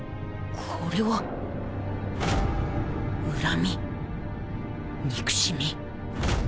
これは恨み憎しみ